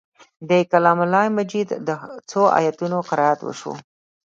د کلام الله مجید د څو آیتونو قرائت وشو.